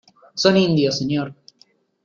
son indios, señor...